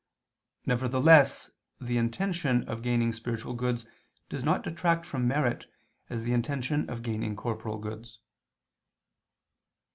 Nevertheless the intention of gaining spiritual goods does not detract from merit, as the intention of gaining corporal goods.